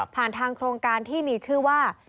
ทางโครงการที่มีชื่อว่า